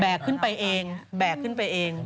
ขึ้นไปเองแบกขึ้นไปเอง